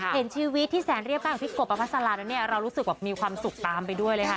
เห็นชีวิตที่แสนเรียบข้างของพี่กบประพัสลาแล้วเนี่ยเรารู้สึกแบบมีความสุขตามไปด้วยเลยค่ะ